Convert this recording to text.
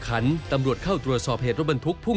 ขวัญถึงช้าพี่ก็กลากขึ้น